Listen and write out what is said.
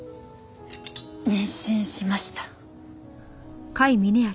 妊娠しました。